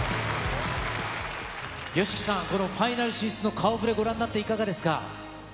ＹＯＳＨＩＫＩさん、このファイナル進出の顔ぶれ、ご覧になっていかがですか。